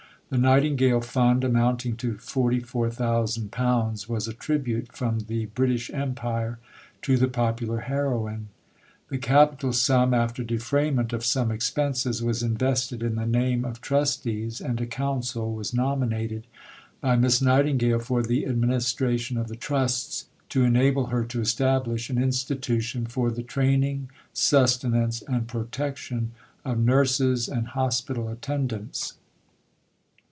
The Nightingale Fund, amounting to £44,000, was a tribute from the British Empire to the Popular Heroine. The capital sum, after defrayment of some expenses, was invested in the name of trustees, and a Council was nominated by Miss Nightingale for the administration of the Trusts to enable her to establish "an Institution for the training, sustenance, and protection of Nurses and Hospital attendants."